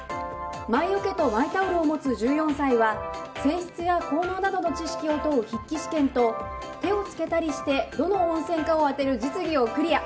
マイ桶とマイタオルを持つ１４歳は泉質や効能などの知識を問う筆記試験と、手をつけたりしてどの温泉かを当てる実技をクリア。